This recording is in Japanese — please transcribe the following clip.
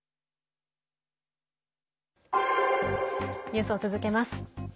ニュースを続けます。